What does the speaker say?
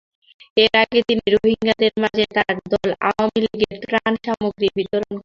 এর আগে তিনি রোহিঙ্গাদের মাঝে তাঁর দল আওয়ামী লীগের ত্রাণসামগ্রী বিতরণ করেন।